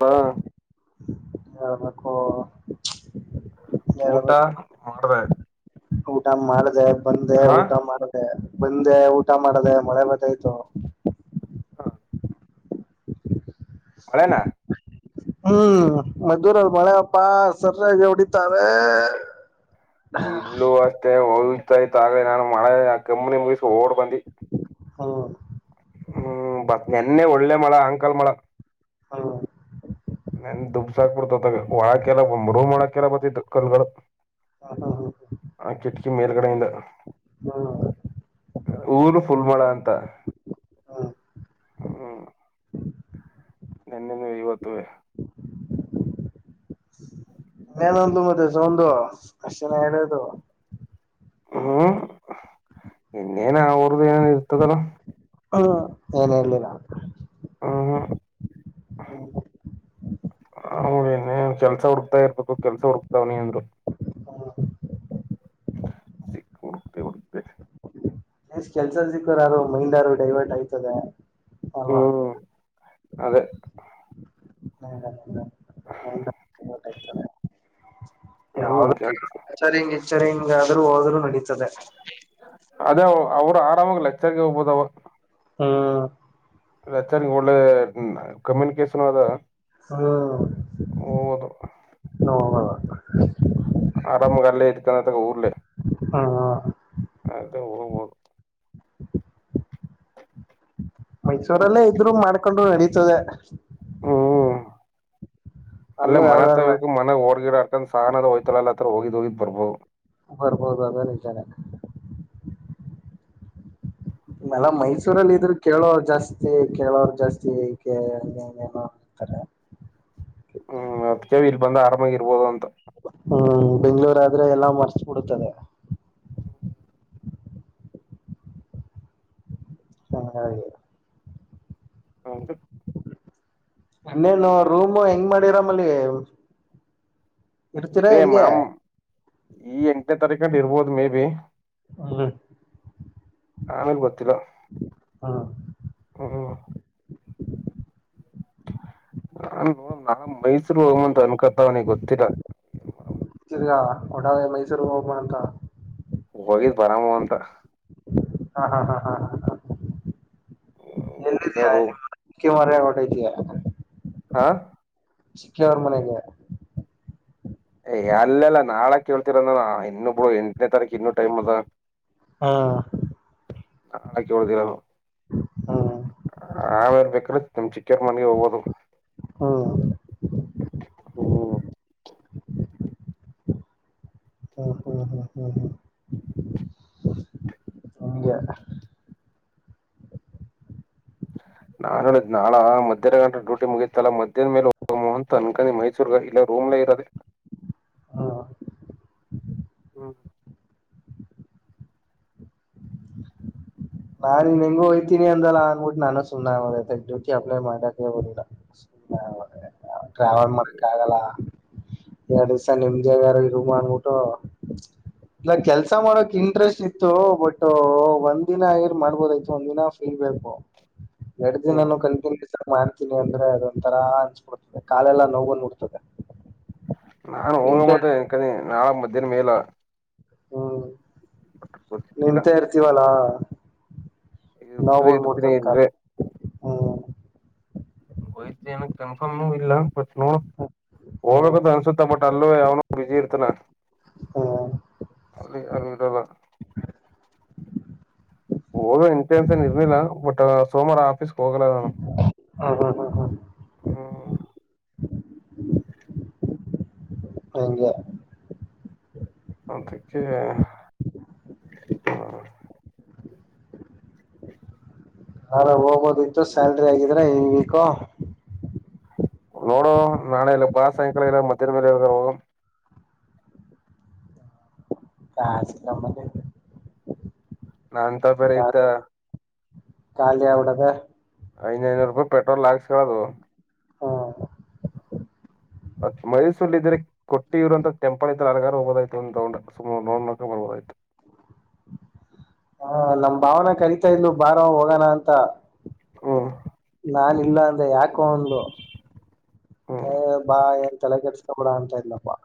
ಬಾ ಯಕ್ಕ ಊಟ ಮಾಡ್ದೆ ಊಟ ಮಾಡ್ದ ಬಂದೆ ಹಾ ಊಟ ಮಾಡ್ದ ಬಂದೆ ಊಟ ಮಾಡದೆ ಮಳೆ ಬತಾಯ್ತು ಹಾ ಮಳೆನಾ ಹ್ಮ್ ಮದೂರಲ್ಲಿ ಮಳೆ ಪಪ್ಪಾ ಸರಿಯಾಗಿ ಹೊಡಿತಾವೆ ಇಲ್ಲೂ ಅಷ್ಟೇ ಹಯ್ತಾಯ್ತ ಹಾಗ ನಾನು ಮಳೆ ಕೆಮ್ಮನಿ ಮುಗಿಸಿ ಓಡ್ ಬಂದಿ ಹಾ ಹ್ಮ್ ಬತ್ ನೆನ್ನೆ ಒಳ್ಳೆ ಮಳ ಅಂಕಲ್ ಮಳ ಹಾ ನನ್ ದುಬ್ಸಾಕ್ಬಿಡ್ತತಗ ಒಳಕಲ್ಲ ರೂಮ ಒಳಕಲ್ಲ ಬತಿತ್ತು ಕಲ್ಲುಗಳು ಹ್ಮ್ ಹ್ಮ್ ಆ ಕಿಟಕಿ ಮೇಲ್ಗಡೆಯಿಂದ ಹ್ಮ್ ಊರು ಫುಲ್ ಮಳ ಅಂತ ಹ್ಮ್ ಹ ನನ್ನೆನ್ನು ಇಐವತ್ತುುವೇ ಹ್ಮ ನ ಮತ್ತ ಸೌ ಮನ ಹೇಳಡದು ಹ್ಮ್ ಇನ್ನ ಾನ ಆ ರ್ದ ಏನ ಇರ್ತ ತಲ ಹ್ಮ ಏನ್ ಹೇಳ್ಲಿಲ್ಲ ಹ್ಮ ಹೇನ ಕೆಲ್ಸ ಹುಡುಕ್ತಾ ಇರ್ಬೇಕು ಕೆಲ್ಸ ಹುಡುಕ್ತಾವ ನೀಿ ಅಂದ್ರು ಸಿಿ ಉಡಬ ಉಡಬೇಕ ಎಷ್ಟ್ ಕೆಲ್ಸದ ಸಿಕ್ಕರಾರರು ಮೈಂಡ್ ಯಾರು ಡೈವರ್ಟ್ ಆಯ್ತದೆ ಅಲ್ವಾ ಹ್ಮ್ ಅದೇ ಹ ಹ್ಮ್ ಕೆಲ್ಸ ಯಾವ್ದಚ್ಚರಿ ಹಿಂಗ್ ಎಚ್ಚರಿ ಹಿಂಗಾದ್ರೂ ಹೋದ್ರೂ ನಡೀತದೆ ಅದೇ ಅವರು ಆರಾಮಾಗ ಲೆಕ್ಚರ್ಗೆ ಹೋಗ್ಬೋದವ ಹ್ಮ ಚಾರ್ ಒಳ್ಳೆ ಕಮ್ಯುನಿಕೇಶನ್ ಅದ ಹ್ಮ ಹೋಗ್ಬೋದು ನೋ ಆರಾಮ ಅಲ್ಲೇ ಇದಕನ ತಾಗ ಊರ್ಲೆೇ ಹಾ ಹ ಅದ ಹ ಹರು ಮೈಸೂರಲ್ಲೇ ಇದ್ರು ಮಾಡ್ಕೊಂಡರು ನಡೀತದೆ ಅಲ್ಲ ಅಲ್ಲೂ ಮ ತ ಯಾವ್ದಲ್ಲ ಮನಗ್ ಹಓಡ್ಗಿಡರ್ಕಂದ ಸಹನದ ಹಯ್ತಾಲ್ಲ ಹತ್ರ ಹೋಗಿದ್ ಹೋಗಿದ್ ಬರ್ಬೋದು ಬರ್ಬೋದು ಅದ ನಿಜಾನ ನಲ್ಲ ಮೈಸೂರಲ್ಲಿ ಇದರು ಕೇಳೋರ್ ಜಾಸ್ತಿ ಕೇಳೋರ್ ಜಾಸ್ತಿ ಹ ಹಂಗಗೆ ತನ್ನ ಹ್ಮ್ ಮತ್ತ ಕೆ ಇಲ್ಲಿ ಬಂದ ಆರಾಮಾಗಿ ಇರ್ಬೋದು ಅಂತ ಹ್ಮ್ ಬೆಂಗ್ಳೂರ್ ಆದ್ರೆ ಎಲ್ಲಾ ಮರ್ಚ್ಬಿಡತುತ್ತದೆ ಅಂಗ ಇನ್ನೇನು ರೂಮ್ ಹೆಂಗ್ ಮಾಡಿರ ಮಲ್ಲಿ ಇದೇ ಮ್ಯಾಮ್ ಈ ಎಂಟನೇ ತಾರೀಕಲ್ಲಿ ಇರ್ಬೋದು ಮೇ ಬಿ ಹ್ಮ್ ಆಮಿರ್ ಬತ್ತರ ಹ್ಮ್ ಹ್ಮ ನಾ ನಾ ಮೈಸೂರ್ ಹೋಗುವಂತ ಅನ್ಕತಾವನಿಗೆ ಗೊತ್ತಿಲ್ಲ ಏನ್ ತಿರ್ಗ ಒಡವೆ ಮೈಸೂರ್ ಹೋಗ್ಬೋಣಂತ ಹೋಗಿದ್ ಬರಾಮ ಅಂತ ಹ ಇದಾರು ಎವ ಓಟ ಹಾ ಚಕ್ಕಿಯವರ ಮನೆಗೆ ಅಲ್ಲೆಲ್ಲಾ ನಾಳಾ ಕೇಳ್ತೀರ ನಾನು ಇನ್ನುಬ್ ಎಂಟನೇ ತಾರೀಕು ಇನ್ನುೂ ಟೈಮ್ ಅದ ಹಾ ನಳಕ ಒಳ ದಿನ ಹ್ಮ್ ಹ್ಮ್ ಆ ಬೇಕ ಚಿಕೆಟ್ ಮನೋಗಬದು ಹ್ಮ್ ಹ್ಮ ಹ್ಮ ಹಾ ಹಾ ಹಾ ಹಾ ನಾನ್ ಹೇಳಿದ್ ನಾಳಾ ಮಧ್ಯಾಹ್ರ ಗಂಟ ಡೂಟಿ ಮುಗೀತಲ್ಲ ಮಧ್ಯ್ಯಾದ್ ಮೇಲೆ ಮೋಹಂತ ಅನ್ಕೆ ಮೈಸೂರ್ಗ ಇಲ್ಲ ರೋಮ್ಲ ಇರೋದೆ ಹ್ಮ್ ಹ್ಮ ನಾನನ್ ಇನ್ ಹೆಂಗು ಹಯ್ತೀನಿ ಅಂದಲ್ಲ ಅಂದಬಿಟ್ಟು ನಾನು ಸುಮ್ಮ ಡ್ಯೂಟಿ ಅಪ್ಲ ಮಾಡಕೆ ಬಂದಿಲ್ಲ ಟ್ರಾವೆಲ್ ಮಾಡಕ್ಕ ಆಗಲ್ಲ ಎರಡು ದಿವಸ ನಿಮ್ದಾಗಾರ ಇರು ಅಂಗ್ಬಟ್ಟು ಇ ಕೆಲ್ಸ ಮಾಡೋಕ್ ಇಂಟ್ರೆಸ್ಟ್ ಇತ್ತು ಬಟ್ ಒಂದಿನ ಮಾಡ್ಬೋದಯ್ತು ಒಂದ ದಿನ ಫ್ರೀ ಬೇಕು ಎಡ್ ಹ್ಮ್ ದಿನ ಕ ಮಾಡ್ತೀನಿ ಅಂದ್ರೆ ಅದೊಂತರಾ ಅನ್ಸ್ಬಿಡ್ತದೆ ಕಾಲೆಲ್ಲಾ ನೋವ ಬಂದ ಬಿಡ್ತಾದೇ ನಾನು ಹೋಗ ಮಂತನ್ಕ ನಾಳ ಮಧ್ಯಾಹನ ಮೇಲ ಹ್ಮ್ ಬಟ್ ಗೊತ್ತಿಲ್ಲ ನಿಂತೆ ಇರ್ತೀವಲ್ಲಾ ಇದ್ರೆ ನಾವಗಳ ಇರ್ತೀನಿ [unintelligible] ಕ ಇಲ್ವೇ ಹ್ಮ್ ವಯ್ತನ್ ಏನ ಕನ್ಫರ್ಮ ಇಲ್ಲ ಬಟ್ ನೋಡ್ ಹ್ಮ್ ಹ್ಮ್ ಹೋಗ್ಬೇಕಂತ ಅನ್ಸುತ್ತ ಬಟ ಅಲ್ಲೋ ಯಾವನ. ಬಿಜಿ ಇರ್ತನ. ಹಾ ಅಲ್ಲಿ ಅಲ್ಲಿಡಲ. ಹೊಗ ಇಂತೆ ಅಂತ ಇರ್ನಿಲ್ಲ ಬಟ್ ಸೋಮಾರ ಆಫೀಸ್. ಹಾ ಹಾ ಹಾ ಹಾ ಹ್ಮ್ ಹಗೆ ಅದಕ್ಕೆ ಹ್ಮ ನಾಳೆ ಹೋಗೋದಿತ್ತು ಸ್ಯಾಲ್ರಿ ಆಗಿದ್ರ ಹಂಗ ವಿಕು ನೋಡು ನಾಳೆ ಎಲ್ಲ ಬಾ ಸಾಯಂಕಾಲ ಎಲ್ಲ ಮಧ್ಯರ ಮೇಲೆ ಹೋಗೋಣ ಖಸಿಲ ನಾಂತ ಬರೆ ಇದ್ದ ಖಾಲಿ ಹಗ್ಬಿಟಿದೆ ಐದೈನೂರು ರೂಪಾಯಿ ಪೆಟ್ರೋಲ್ ಲಾಕ್ಸ ಹೇಳೋದು ಹಾ ಮೈಸೂರ್ಲ್ಲಿ ಇದ್ರೆ ಕೊಟ್ಟಿ ಇರುವೋಂತ ಟೆಂಪಲ್ ಐ ಹರಗಾರ್ ಹೋಗಬೋದಾಯ್ತ ನೋಡ್ ನಕ ಬಬೋದಯ್ ಆ ನಮ್ಮ ಭಾವನೆ ಕರಿತಾ ಇಡಲು ಬಾರ ಹೋಗೋಣ ಅಂತ ಹಾ ನಾನ ಇಲ್ಲ ಅಂದ್ರೆ ಯಾಕೋ ಒಂದು ಹ್ಮ್ ಬಾ ಎ ತಲೆ ಕೆಟ್ಸ್ತಾಬಡ ಅಂತಾ ಇದಲ್ಲಪ್ಪಾ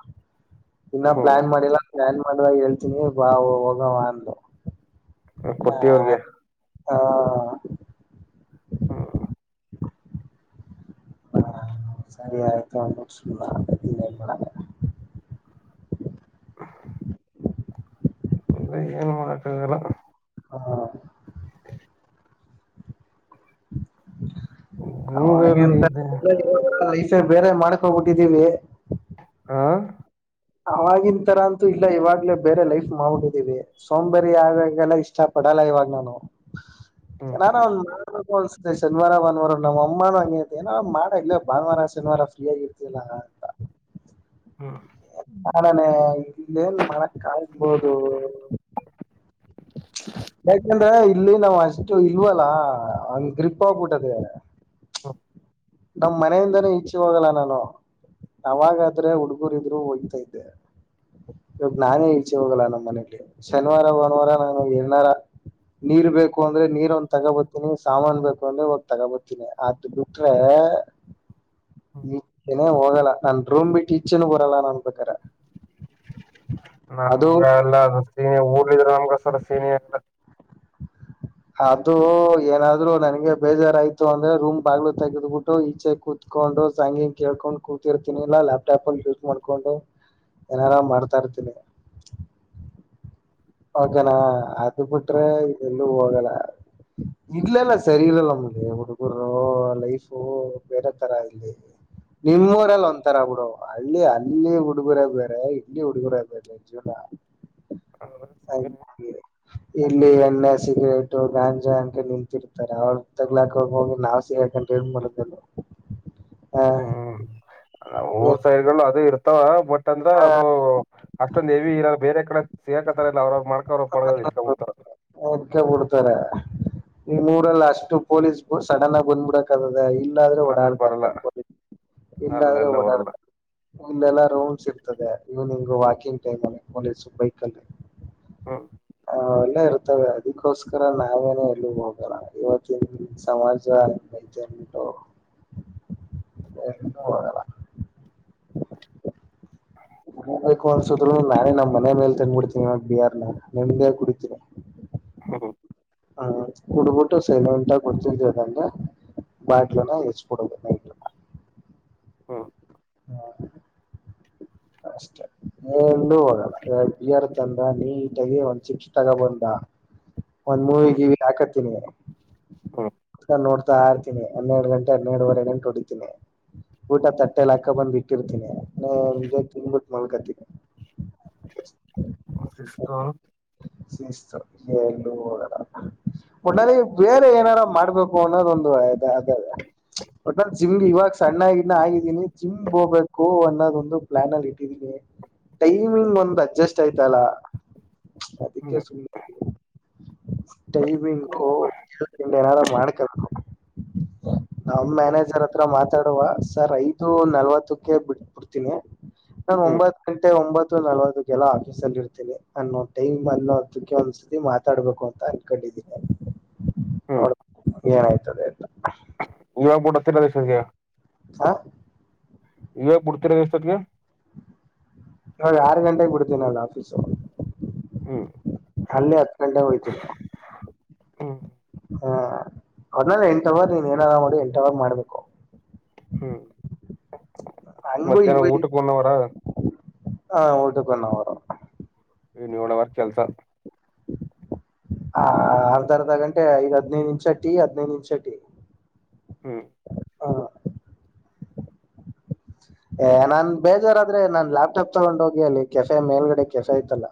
ಇನ್ನ ಪ್ಲಾನ್ ಹ್ಮ್ ಮಾಡಿಲ್ಲ ಪ್ಲಾನ್ ಮಾಡುವಾಗ ಹೇಳ್ತೀನಿ ಬಾ ಹೋಗವ ಅಂದು ಕುಟ್ಟಿ ಹೋಗಿಯಾ ಹಾ [unintelligible] ಹಾ ಸರಿಯತನ್ನ [unintelligible] ಅ ಏನು ಮಾಡೋಕೆ ಆಗಲ್ಲ ಹಾ ಗೂಗಲ್ ಇದೆ ಅವೆಂತಸ ಬೇರೆ ಮಾಡಕ್ ಹೋಗ್ಬಿಟ್ಟಿದ್ದೀವಿ ಹಾ ಆವಾಗಿನ ತರ ಅಂತೂ ಇಲ್ಲ ಇವಾಗ್ಲೇ ಬೇರೆ ಲೈಫ್ ಮಾಡಿದೀವಿ ಸೋಂಬಾರಿ ಆಗಾಗೆಲ್ಲ ಇಷ್ಟ ಪಡ್ ಮಾಡಡಲ್ಲ ಇವಾಗ ನಾನು ಹ್ಮ್ ಹ್ಮ್ ಶನಿವಾರ ಭಾನುವಾರ ನಮ್ಮ ಅಮ್ಮನ ಹಂಗೇತೆಏನ ಮಾಡ ಇ ಭಾನುವಾರ ಶನಿವಾರ ಫ್ರೀ ಆಗಿರ್ತಲ್ಲ ಅಂತ [unintelligible] ಹ್ಮ್ ನಡಾನೇ ಇಲ್ಲೇನ್ ಮಕ್ ಕಾಯಬೋದು ಹ [unintelligible] ಯಾಕಂದ್ರೆ ಇಲ್ಲಿ ನಾವ್ ಅಷ್ಟು ಇಲ್ವಲ್ಲ ಒಂದ್ ಗ್ರಿಪ್ಪಬಿಟ್ಟದ ಹ್ಮ ನಮ್ ಮನೆಯಿಂದಾನೇ ಇಛೆ ಹೋಗಲ್ಲ ನಾನು ನಾವಾಗಾದ್ರೆ ಹುಡುಗೂರು ಇದ್ರು ಹೋಗಿತಾ ಇದ್ದೆ ಇವ ನಾನೇ ಈಚೆ ಹೋಗಲ್ಲ ನಮ್ಮ್ ಮನೇಲಿ ಶನಿವಾರ ಭಾನವಾರ ನಾನು ಎನಾರ ನೀರ್ ಬೇಕು ಅಂದ್ರೆ ನೀರ್ ಒಂದ್ ತಗೋಬರ್ತಿನಿ ಸಾಮಾನನ್ ಬೇಕು ಅಂದ್ರೆ ಹೋಗ್ ತಗೋಬತಿನನಿ ಆ ಆದ್ರೆ ಈಚನೇ ಹೋಗಲ್ಲ ನನ್ ರೂಮ್ ಬಿಟ್ಟು ಇಚ್ಚನ್ ಬರಲ್ಲ ಅನ್ಬೇಕಾರೆ ಅದು ನಮ್ಗೆ ಎಲ್ಲ ಅ [unintelligible] ನಮ್ಗಸರ ಸೀನಿ ಎಲ್ಲ ಅದು ಏನಾದ್ರು ನನ್ಗೆ ಬೇಜಾರಾಯ್ತು ಅಂದ್ರೆ ರೂಮ್ ಬಾಗ್ಲು ತೆೆಗೆದ್ಬಿಟ್ಟು ಈಚೆ ಕೂತ್ ಕತ್ಕೊಂಡು ಸಂಂಗಿ ಕೇಳ್ಕೊಂಡು ಕೂತಿರ್ತಿನನಿಿಲ್ಲಾ ಲ್ಯಾಪ್ಟಾಪ್ ಅಲ್ಲಿ ಯೂಸ್ ಮಾಡ್ಕೊಂಡು ಏನಾದ್ರುವೆ ಮಾಡ್ತಾ ಇರ್ತೀನಿ ಅದು ಬಿಟ್ರೆ ಇದೆಲ್ಲೂ ಹೋಗಲ್ಲ ಇಲಲ್ಲ ಸರಿ ಇಲ್ಲಲ್ಲ ನಮಲ್ಲಿ ಹುಡುಗರು ಲೈಫು ಬೇರೆ ತರ ಇಲ್ಲಿ ನಿಮ್ಮೂರಲ್ಲಿ ಒಂಥರ ಬಿಡು ಹಳ್ಳಿ ಅಲ್ಲಿ ಹುಡುಗುರ ಬೇರೆ ಇಲ್ಲಿ ಹುಡುಗರ ಬೇರೆ ಜೀವನ ಹ [unintelligible] ಇಲ್ಲಿ ಎಣ್ಣೆ ಸಿಗರೇಟು ಗಾಂಜಾ ಅಂತ ನಿಂತಿರ್ತಾರೆ ಅವ ತಗ್ಲಾಕೋಗ ಹೋಗಿ ನಾವವು ಸಿಕಂತ ಇ ಮಾಡದಲ್ ಹ ಹ್ಮ್ ಊರ್ ಸೈಡ್ಗಳು ಅದು ಇರ್ತವ ಬಟ್ ಅಂದ್ರ ಅದು ಅಷ್ಟೊಂದು ನವಿ ಇರ ಬೇರೆ ಕಡೆ ಸಿೇಕತಾರಲ್ಲ ಅವ್ರವ್ ಮಾಡಕ ಅವ್ರ ಪಡ ಇಕ ಬಿಡ್ತಾರ ಇಡ್ಕ ಬಿಡ್ತಾರೆ ನಿಮ್ ಊರಲ್ ಅಷ್ಟು ಪೊಲೀಸ್ ಸಡನ್ ಆಗಿ ಬಂದ್ಬಿಡಕ್ದದ ಇಲ್ ಇಲ್ಲಾದ್ರೆ ಅಲ್ಲಿ ಓಡಾಡ್ತಾರೆ ಬರಲ್ಲ ತಕ ಇಲ್ಲಾದ್ರೆ ಅಲ್ಲೆಲ್ಲ ಬರಲ್ಲ ಓಡಾಡ್ತಾರ್. ಇಲ್ಲೆಲ್ಲಾ ರೌಂಡ್ಸ್ ಇರ್ತದೆ ಇವ್ನಿಂಗ್ ವಾಕಿಂಗ್ ಟೈಮ್ ಅಲ್ಲಿ ಪೊಲೀಸ್ ಬೈಕ್ ಅಲ್ಲಿ. ಹ್ಮ್ ಅವೆಲ್ಲ ಇರ್ತವೆ ಅದಕ್ಕೋಸ್ಕರ ನಾವೇನ ಎಲ್ಲಿ ಹೋಗಲ್ಲ ಇವತ್ತಿನ್ ಸಮಾಜ. ಐತೆ ಅಂದ್ಬಿಟ್ಟು ಎಲ್ಲೂ ಹೋಗಲ್ಲ ಹೋಗ್ಬೇಕು ಅನ್ಸುದ್ರೂನು ನಾನೇ ನಮ್ ಮನೆ ಮೇಲೆ ತಂದ್ಬಿಡ್ತೀನಿ ಇ ಬಿಯಾರ್ ನ ನಿಮ್ದಿಯಾಗ್ ಕುಡಿತೀನಿ. ಹಃ ಹ ಹಾ ಕುಡ್ಬಿಟ್ಟು ಸೈಲೆಂಟಗ್ ಗೊತ್ತಿಲ್ದೆ ಇದಂಗೆ. ಬಾಟ್ಲನ್ ಎಚ್ಚಬಿಡದು. [unintelligible] ಹ್ಮ ಅಷ್ಟೇ ಎಲ್ಲು ಹೋಗಲ್ಲ ಬಿಯರ್ ತಂದ ನೀಟಾಗಿ ಒಂದ್ ಚಿಪ್ಸ್ ತಗಬಂದ. ಒಂದ್ ಹ್ಮ್ ಮೂವಿಗಿವಿ ಹಾಕತ್ತಿನಿ. ಹ್ಮ್ ನೋಡ್ತಾ ಇರ್ತೀನಿ ಹನ್ನೆರ್ಡ್ ಗಂಟೆ ಹನ್ನೆರ್ಡುವರೆ ಗಂಟ್ ಹೊಡಿತೀನಿ. ಊಟ ತಟ್ಟೆಲ್ ಹಾಕ ಬಂದ್ ಬಿಟ್ಟಿರ್ತೀನಿ ನೇಮ್ದಿಯಗ್ ತಿನ್ಬಿಟ್ ಮಲ್ಕತಿನಿ. ಇಷ್ಕ ಶಿಸ್ತು ಎಲ್ಲೂ ಹೋಗಲ್ಲ ಒಟ್ನಲ್ಲಿ ಬೇರೆ ಏನಾರ ಮಾಡ್ಬೇಕು ಅನ್ನೋದ್ ಒಂದ್ ಹು ಅದ ಅದೇವ್. ಒಟ್ನಾಲ್ ಜಿಮ್ಗೆ ಇವಾಗ ಸಣ್ಣಗನ್ನ ಆಗಿದೀನಿ ಜಿಮ್ಗೆ ಹೋಗಬೇಕು ಅನ್ನೋದ ಒಂದು ಪ್ಲಾನ್ ಅಲ್ಲಿ ಇಟ್ಟಿದೀನಿ. ಟೈಮಿಂಗ್ ಒಂದ್ ಅಡ್ಜಸ್ಟ್ ಆಯ್ತಲ್ಲ ಅದಿಕ್ಕೆ ಹ್ಮ್ ಸುಮ್ ಟೈಮಿಂಗೂ ಏನಾರ ಮಾಡ್ಕ. ನಮ್ಮ ಮ್ಯಾನೇಜರ್ ಹತ್ರ ಮಾತಾಡುವ ಸರ್ ಐದು ನಲ್ವತ್ತಕ್ಕೆ ಬಿಟ್ ಬುಡ್ತೀನಿ. ನಾನ್ ಹ್ಮ್ ಒಂಬತ್ ಗಂಟೆ ಒಂಬತ್ತು ನಲ್ವತ್ತುಕೆಲ್ಲ ಆಫೀಸ್ ಅಲ್ ಇರ್ತಿನಿ ನಾನು ಟೈಮ್. ಅನ್ನೋತ್ತಕ್ಕೆ ಒಂದ್ಸತಿ ಮಾತಾಡ್ಬೇಕು ಅಂತ ಅನ್ಕೊಂಡಿದೀನಿ ಹ್ಮ್ ನೋಡ್ಬೇಕು. ಏನಾಯ್ತದೆ ಅಂತ. ತ್ರಿ ಪ್ರದೇಶಗ್ಯ. ಹಾ ಈವ ಬಡ್ತಿರ ಎಷ್ಟೊತಿಗೆ. ನೋಡ್ ಆರು ಗಂಟೆಗೆ ಬಿಡ್ತೀನಿ ನಾನ್ ಆಫೀಸು. ಹ್ಮ್ ಅಲ್ಲೆ ಹತ್ಕಂಡೆ ಹೋಯ್ತಿನಿ. ಹ್ಮ ಹ್ಮ ಅದ್ನೇ ಎಂಟ್ವರ್ ನೀನ್ ಏನಾರ ಮಾಡಿ ಎಂಟ್ವರ್ ಮಾಡ್ಬೇಕು. ಹ್ಮ್ ಹಂಗು ಮಧ್ಯಾಹ್ನ ಊಟಕ್ ವನ್ನವರ. ಹಾ ಊಟಕ್ ವನ್ನವರು. ಏನ್ ಯೊಳ್ ಅವರ್ ಕೆಲ್ಸ. ಹ ಅರ್ಧ ಅರ್ಧ ಗಂಟೆ ಐದ್ ಹದ್ನೈದ್ ನಿಮ್ಷ ಟಿ ಹದ್ನೈದ್ ನಿಮ್ಷ ಟಿ. ಹ್ಮ್ ಹಾ ಎ ನಾನ್ ಬೇಜಾರಾದ್ರೆ ನಾನ್ ಲ್ಯಾಪ್ಟಾಪ್ ತಗೊಂಡ್ ಹೋಗಿ ಅಲ್ಲಿ ಕೆಫೆ ಮೇಲ್ಗಡೆ ಕೆಫೆ ಐತಲ್ಲ.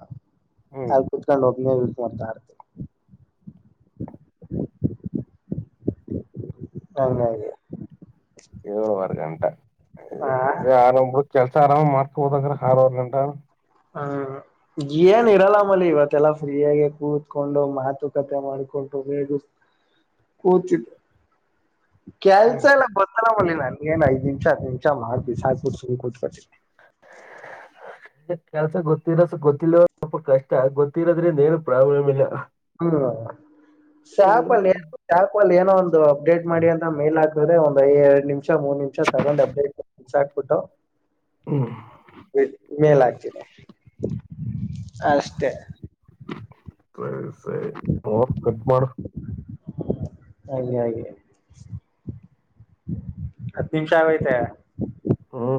ಹ್ಮ್ ಅಲ್ಕುತ್ಕೊಂಡ್ ಹೋಗ್ ವಾದಡ್ತಿನಿ. ಹಂಗಾಗಿ ಏಳುವರ್ ಗಂಟ ಆ ಅದೇ ಆರಂಬ್ ಕೆಲ್ಸ ಆರಾಮ್ ಮಾಡ್ಕ್ ಹೋದಾದ್ರ ಆರ್ವರ್ ಗಂಟ. ಹ್ಮ ಏನ್ ಇರಲ್ಲಮ್ಮಲ್ಲಿ ಇವತ್ತೆಲ್ಲಾ ಫ್ರೀಯಾಗೆ ಕೂತ್ಕೊಂಡು ಮಾತುಕತೆ ಮಾಡ್ಕೊಂಡು ರೇಗುಸ್ ಕುತ್ತಿದ್. ಕೆಲ್ಸ ಎಲ್ಲ ಬದಲಿ ಮಲ್ಲಿ ಐದ್ ನಿಮ್ಷ ಹತ್ ನಿಮ್ಷ ಮಾಡ್ ಬಿಸಾಕ್ ಸುಮ್ ಕುಂತ್ಕೊಂತೀನಿ. ಕೆಲ್ಸ ಗೊತ್ತಿರೋ ಗೊತ್ತಿಿಲ್ಲವ ಸ್ವಲ್ಪ ಕಷ್ಟ ಗೊತ್ತಿರೋದ್ರಿಂದ ಏನು ಪ್ರಾಬ್ಲಮ್ ಇಲ್ಲ ಹ್ಮ್ ಶ್ಯಾಪ ಅಲ್ಲಿ ಏ ಶ್ಯಾಪ ಅಲ್ಲಿ ಏನೋ ಒಂದು ಅಪ್ಡೇಟ್ ಮಾಡಿ ಅಂತ ಮೇಲ್ ಆಗ್ ಒಂದ್ಐ ಎರಡ್ ನಿಮಷ ಮೂರ್ ನಿಮಿಷ ತಗೊಂಡ್ ಅಪ್ಡೇಟ್ ಹಾಕ್ಬಿಟ್ಟು ಮೇ ಲತಿ ಅಷ್ಟೇ ಸಸೆ ಅವ ಗಟ್ಬಡ ಹಾಗೆ ಹಾಗೆ ಹತ್ತು ನಿಮಿಷ ಆಗೈತೆ ಹಾ